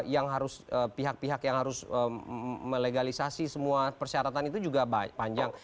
yang harus pihak pihak yang harus melegalisasi semua persyaratan itu juga panjang